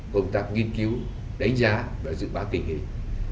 công tác nghiên cứu đánh giá và dự bá kinh hình